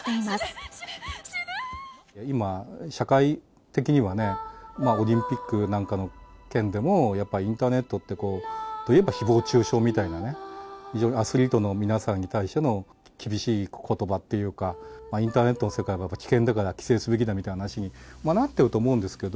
今、社会的にはね、オリンピックなんかの件でも、やっぱりインターネットってひぼう中傷みたいなね、非常にアスリートの皆さんに対しての厳しいことばっていうか、インターネットの世界は危険だから規制すべきだみたいな話になってると思うんですけど。